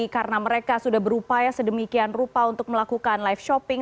karena mereka sudah berupaya sedemikian rupa untuk melakukan live shopping